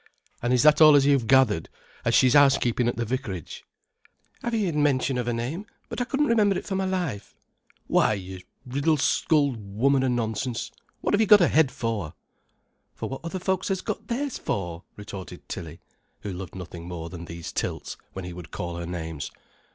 "An' is that all as you've gathered, as she's housekeeping at the vicarage?" "I've 'eered mention of 'er name, but I couldn't remember it for my life." "Why, yer riddle skulled woman o' nonsense, what have you got a head for?" "For what other folks 'as got theirs for," retorted Tilly, who loved nothing more than these tilts when he would call her names.